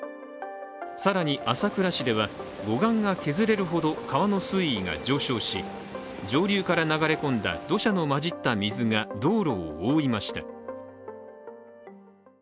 更に、朝倉市では護岸が削れるほど川の水位が上昇し上流から流れ込んだ土砂の混じった水が道路を覆いました。